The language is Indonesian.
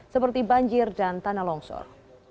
seperti banjir dan tanah longsor